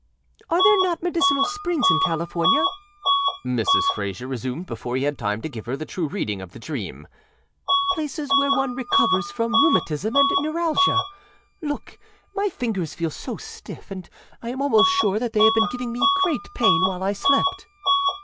âAre there not medicinal springs in California?â Mrs. Frayser resumed before he had time to give her the true reading of the dreamââplaces where one recovers from rheumatism and neuralgia? Lookâmy fingers feel so stiff; and I am almost sure they have been giving me great pain while I slept.